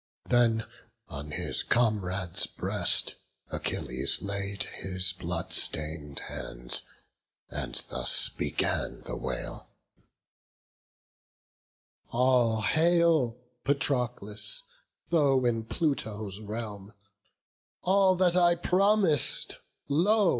Then on his comrade's breast Achilles laid His blood stain'd hands, and thus began the wail: "All hail, Patroclus, though in Pluto's realm; All that I promis'd, lo!